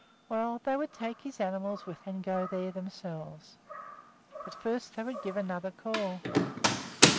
Well, they would take his animals with them and go there themselves; but first they would give another call.